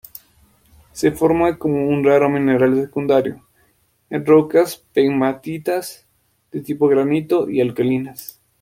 Se forma como raro mineral secundario, en rocas pegmatitas de tipo granito y alcalinas.